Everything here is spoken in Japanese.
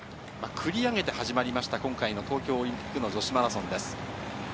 繰り上げて始まりました、今回の東京オリンピックの女子マラソンです。